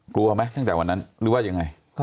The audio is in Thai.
กลัวไหมตั้งแต่วันนั้นหรือว่ายังไง